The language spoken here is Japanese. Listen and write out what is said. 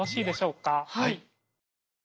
はい。